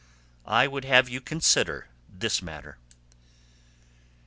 I would have you consider this matter."